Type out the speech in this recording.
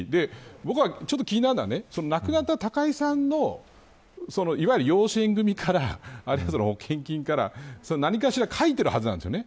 僕が気になるのは亡くなった高井さんのいわゆる養子縁組から何かしら書いているはずなんです。